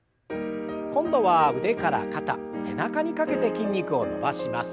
今度は腕から肩背中にかけて筋肉を伸ばします。